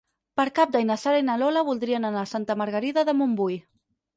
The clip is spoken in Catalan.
Per Cap d'Any na Sara i na Lola volen anar a Santa Margarida de Montbui.